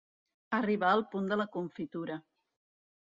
Arribar al punt de la confitura.